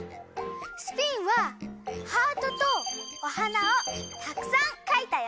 スピンはハートとお花をたくさん描いたよ。